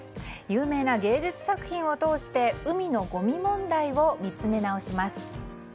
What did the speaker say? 有名な芸術作品を通して海のごみ問題を見つめ直します。